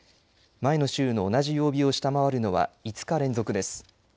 前の週の同じ曜日を下回るのは５日連続です。